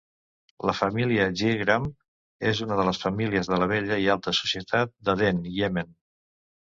La família Girgrah és una de les famílies de la vella i alta societat d'Aden, Iemen.